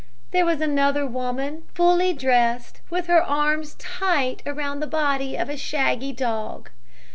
There was another woman, fully dressed, with her arms tight around the body of a shaggy dog.